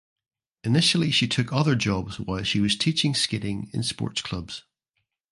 Initially she took other jobs while she was teaching skating in sports clubs.